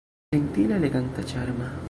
Ĝentila, eleganta, ĉarma!